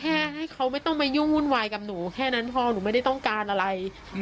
ให้เขาไม่ต้องมายุ่งวุ่นวายกับหนูแค่นั้นพอหนูไม่ได้ต้องการอะไร